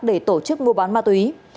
để tổ chức mua bán ma túy